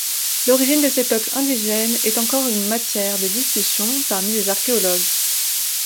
L'origine de ces peuples indigènes est encore une matière de discussion parmi les archéologues.